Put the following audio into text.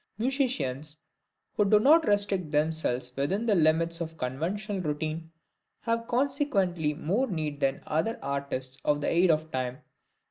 Musicians who do not restrict themselves within the limits of conventional routine, have, consequently, more need than other artists of the aid of time.